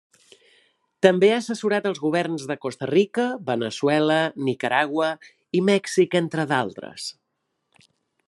També ha assessorat els governs de Costa Rica, Veneçuela, Nicaragua i Mèxic entre d'altres.